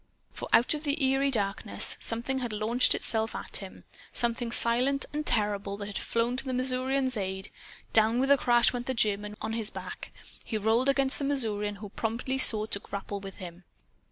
For out of the eerie darkness, something had launched itself at him something silent and terrible, that had flown to the Missourian's aid. Down with a crash went the German, on his back. He rolled against the Missourian, who promptly sought to grapple with him.